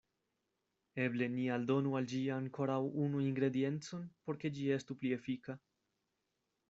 Eble ni aldonu al ĝi ankoraŭ unu ingrediencon, por ke ĝi estu pli efika?